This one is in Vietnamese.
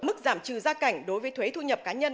mức giảm trừ gia cảnh đối với thuế thu nhập cá nhân